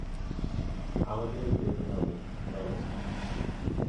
আমাদের যেতে হবে, চলো।